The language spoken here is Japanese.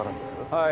はい。